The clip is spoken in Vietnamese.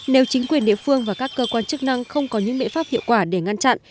nếu chính quyền địa phương và các cơ quan chức năng không có những biện pháp hiệu quả để ngăn chặn